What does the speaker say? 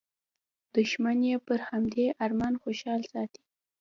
دوښمن یې پر همدې ارمان خوشحال ساتلی.